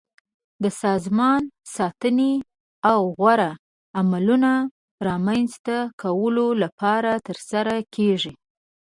د سازمان ساتنې او غوره عملونو رامنځته کولو لپاره ترسره کیږي.